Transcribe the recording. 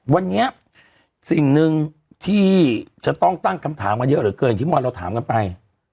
วันนี้สิ่งหนึ่งที่จะต้องตั้งคำถามมาเยอะเหลือเกินอย่างที่เมื่อวานเราถามกันไป